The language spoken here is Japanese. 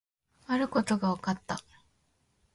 あることが分かった